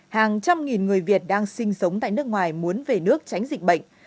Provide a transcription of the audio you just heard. hàng trăm nghìn người việt đang sinh sống tại nước ngoài muốn về nước tránh dịch bệnh